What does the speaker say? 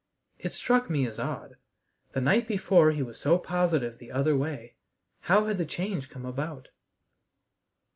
It struck me as odd. The night before he was so positive the other way. How had the change come about?